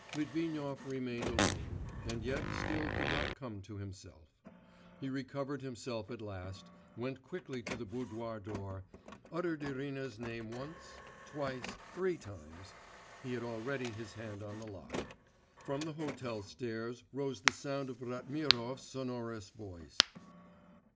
Litvinov remained alone, and yet still could not come to himself. He recovered himself at last, went quickly to the boudoir door, uttered Irina's name once, twice, three times.... He had already his hand on the lock.... From the hotel stairs rose the sound of Ratmirov's sonorous voice.